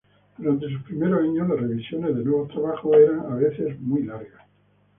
Durante sus primeros años, las revisiones de nuevos trabajos eran a veces muy largas.